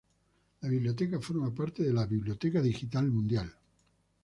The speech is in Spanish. La Biblioteca forma parte de Biblioteca Digital Mundial.